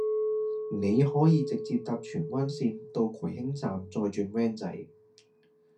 你可以直接搭荃灣綫到葵興站再轉 van 仔